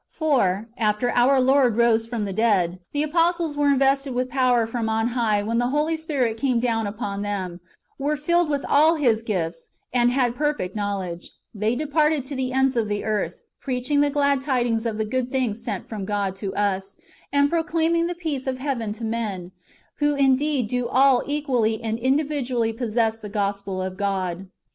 For, after our Lord rose from the dead, [the apostles] were invested with power from on high wdien the Holy Spirit came down [upon them], were filled from all [His gifts], and had perfect knowledge : they departed to the ends of the earth, preaching the glad tidings of the good things [sent] from God to us, and proclaiming the peace of heaven to men, who indeed do all equally and individually possess the gospel of God.